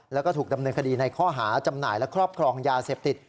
แล้วก็ถูกดำเนินคดีในข้อหาจำหน่ายและครอบครองยาเสพติด